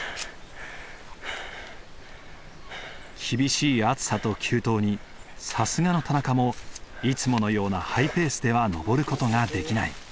厳しい暑さと急登にさすがの田中もいつものようなハイペースでは登る事ができない。